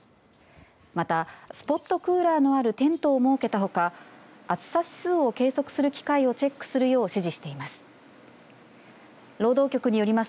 またスポットクーラーのあるテントを設けたほか暑さ指数を計測する機械をチェックするよう指示しています。